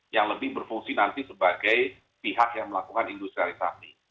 yang lebih berfungsi nanti sebagai pihak yang melakukan industrialisasi